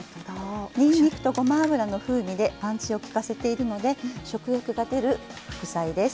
にんにくとごま油の風味でパンチを利かせているので食欲が出る副菜です。